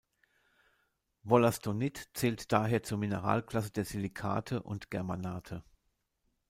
Wollastonit zählt daher zur Mineralklasse der Silicate und Germanate.